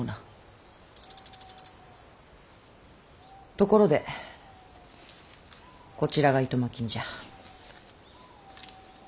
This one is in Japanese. ところでこちらが暇金じゃ。